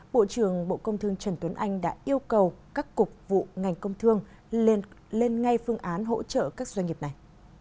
bộ trưởng bộ công thương trần tuấn anh đã yêu cầu các cục vụ ngành công thương lên ngay phương án hỗ trợ các doanh nghiệp này